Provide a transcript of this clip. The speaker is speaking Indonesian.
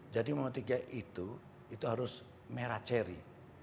jadi memetiknya itu itu harus merah ceri